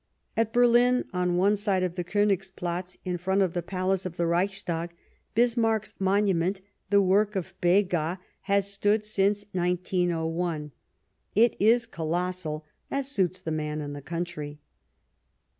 At Berlin, on one side of the Konigsplatz, in front of the Palace of the Reichstag, Bismarck's monument, the work of Begas, has stood Bismarck °^ since 1901 ; it is colossal, as suits the man and the country.